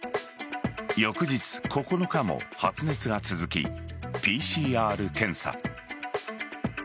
翌日９日も発熱が続きＰＣＲ検査。